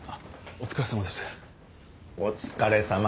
お疲れさま。